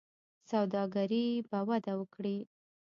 سوداګري به وده وکړي.